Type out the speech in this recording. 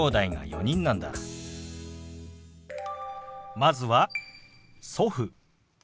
まずは「祖父」。